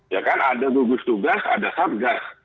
ya kan ada tugas tugas ada sargas